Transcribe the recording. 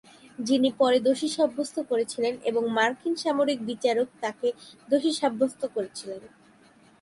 যিনি পরে দোষী সাব্যস্ত করেছিলেন এবং মার্কিন সামরিক বিচারক তাকে দোষী সাব্যস্ত করেছিলেন।